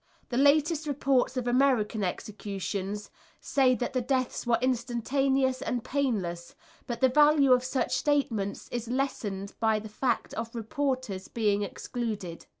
The latest reports of American executions say that the deaths were instantaneous and painless, but the value of such statements is lessened by the fact of reporters being excluded.